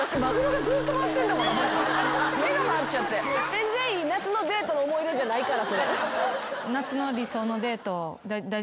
全然いい夏のデートの思い出じゃないから。